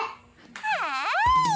はい！